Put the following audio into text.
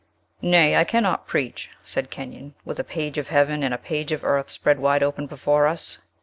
"Nay; I cannot preach," said Kenyon, "with a page of heaven and a page of earth spread wide open before us!